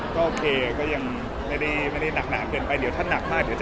ก็โอเคก็ยังไม่ได้หนักหนาเกินไปเดี๋ยวถ้าหนักมากเดี๋ยวจะ